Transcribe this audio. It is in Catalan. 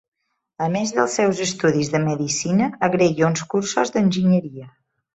A més dels seus estudis de medicina, agrega uns cursos d'enginyeria.